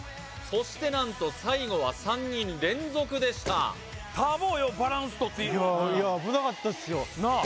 そしてなんと最後は３人連続でしたたー坊ようバランス取っていや危なかったっすよなあ